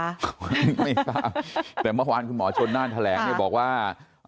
ไม่ทราบแต่เมื่อวานคุณหมอชนน่านแถลงเนี่ยบอกว่า